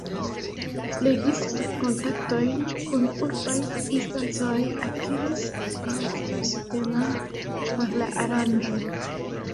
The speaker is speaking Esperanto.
Flegis kontaktojn kun urbaj instancoj, akiris financan subtenon por la aranĝo.